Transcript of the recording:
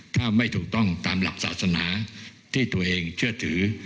ถ้าไม่ถูกต้องตามหลักศาสนาที่ตัวเองเชื่อถือ